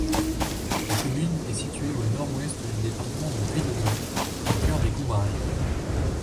La commune est située au nord-ouest du département du Puy-de-Dôme, au cœur des Combrailles'.